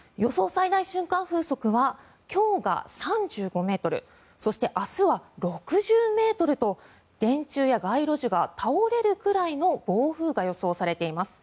最大瞬間風速は今日が３５ｍそして、明日は６０ｍと電柱や街路樹が倒れるくらいの暴風が予想されています。